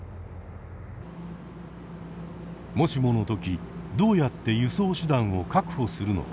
もしものときどうやって輸送手段を確保するのか。